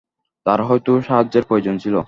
তার হয়তো সাহায্যের প্রয়োজন ছিলো।